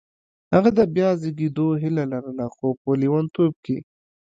هغه د بیا زېږېدو هیله لرله خو په لېونتوب کې